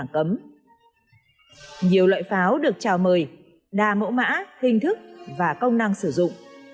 nhiều loại pháo được trào mời đa mẫu mã hình thức và công năng sử dụng